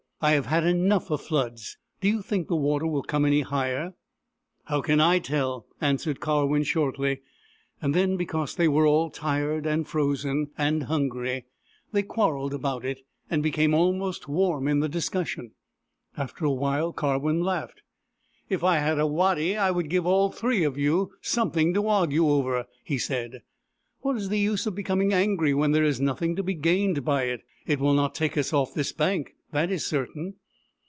I have had enough of floods ! Do you think the water will come any higher ?"" How can I tell ?" answered Karwin shortly. Then, because they were all tired, and frozen, and hungry, they quarrelled about it, and became almost warm in the discussion. After awhile, Karwin laughed. " If I had a waddy I would give all three of you BOORAN, THE PELICAN 83 something to argue over," he said. " What is the use of becoming angry when there is nothing to be gained by it ? It will not take us off this bank, that is certain."